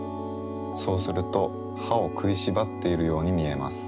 そうするとはをくいしばっているようにみえます。